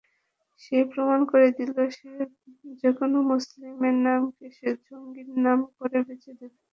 সে প্রমাণ করে দিল, যেকোনো মুসলিমের নামকে সে জঙ্গির নাম করে বেঁচে দিবে।